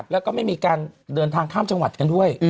แล้วก็ไม่มีการเดินทางข้ามจังหวัดกันด้วย